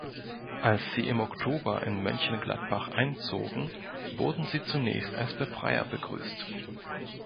Als sie im Oktober in Mönchengladbach einzogen, wurden sie zunächst als Befreier begrüßt.